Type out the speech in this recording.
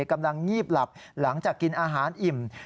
กำลังงีบหลับหลังจากกินอาหารอิ่ม